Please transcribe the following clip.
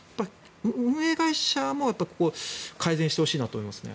運営会社も、ここは改善してほしいなと思いますね。